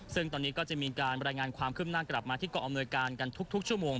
ซึ่งตอนนี้ก็จะมีการบรรยายงานความคืบหน้ากลับมาที่เกาะอำนวยการกันทุกชั่วโมง